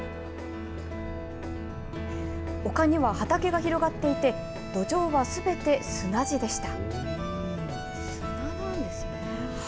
丘には畑が広がっていて、土壌はすべて砂地でした。